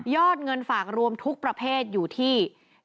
เงินฝากรวมทุกประเภทอยู่ที่